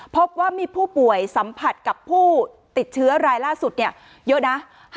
พบว่ามีผู้ป่วยสัมผัสกับผู้ติดเชื้อรายล่าสุดเยอะนะ